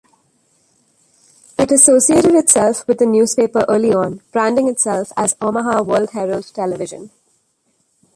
It associated itself with the newspaper early on, branding itself as Omaha World-Herald Television.